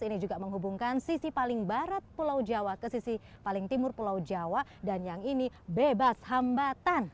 ini juga menghubungkan sisi paling barat pulau jawa ke sisi paling timur pulau jawa dan yang ini bebas hambatan